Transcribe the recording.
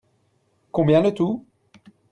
Combien le tout ?